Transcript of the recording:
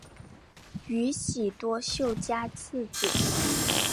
宇喜多秀家次子。